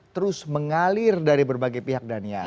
terus mengalir dari berbagai pihak daniar